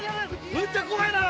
むっちゃ怖いな！